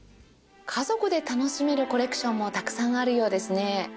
家族で楽しめるコレクションもたくさんあるようですね。